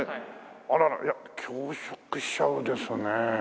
あららいや恐縮しちゃうですね。